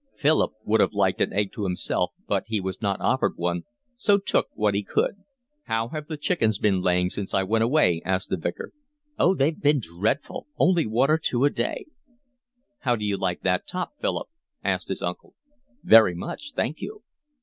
Philip would have liked an egg to himself, but he was not offered one, so took what he could. "How have the chickens been laying since I went away?" asked the Vicar. "Oh, they've been dreadful, only one or two a day." "How did you like that top, Philip?" asked his uncle. "Very much, thank you."